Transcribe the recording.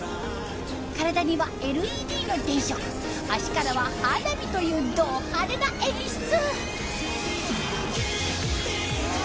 体にはＬＥＤの電飾足からは花火というド派手な演出。